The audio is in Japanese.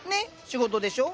仕事でしょ？